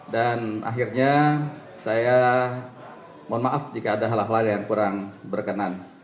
dan akhirnya saya mohon maaf jika ada hal hal yang kurang berkenan